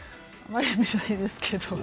見ないですけど。